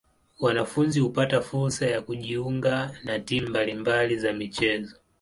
Wanafunzi hupata fursa ya kujiunga na timu mbali mbali za michezo.